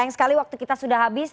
sayang sekali waktu kita sudah habis